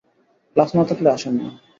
Class না থাকলে আসেন না।